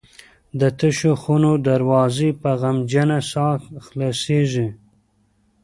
د تشو خونو دروازې په غمجنه ساه خلاصیږي.